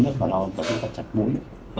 đúng là chỗ biến giới